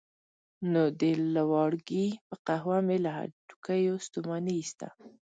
نو د لواړګي په قهوه به مې له هډوکیو ستوماني ایسته.